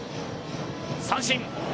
三振！